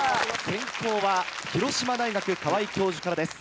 先攻は広島大学川井教授からです。